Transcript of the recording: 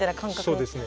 そうですね。